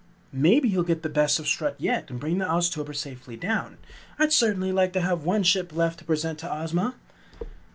"Maybe he'll get the best of Strut yet and bring the Oztober safely down. I'd certainly like to have one ship left to present to Ozma!"